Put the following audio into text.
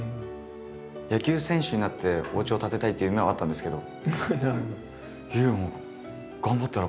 野球選手になっておうちを建てたいっていう夢はあったんですけど。